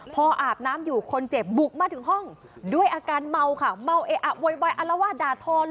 พออาบน้ำอยู่คนเจ็บบุกมาถึงห้องด้วยอาการเมาค่ะเมาเอะอะโวยวายอารวาสด่าทอ